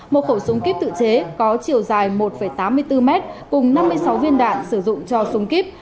một khẩu súng kíp tự chế có chiều dài một tám mươi bốn mét cùng năm mươi sáu viên đạn sử dụng cho súng kíp